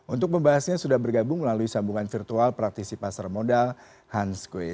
untuk membahasnya sudah bergabung melalui sambungan virtual praktisi pasar modal hans kue